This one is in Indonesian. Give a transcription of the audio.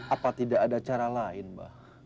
apa tidak ada cara lain mbak